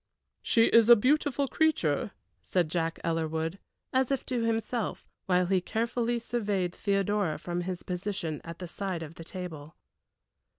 "She is a beautiful creature," said Jack Ellerwood, as if to himself, while he carefully surveyed Theodora from his position at the side of the table.